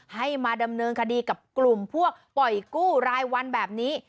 ให้มาดำเนินคดีกับกลุ่มพวกปล่อยกู้รายวันแบบนี้